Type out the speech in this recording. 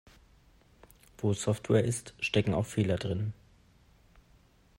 Wo Software ist, stecken auch Fehler drinnen.